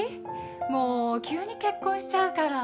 もう急に結婚しちゃうから